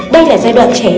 đây là giai đoạn trẻ